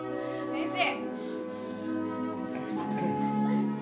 先生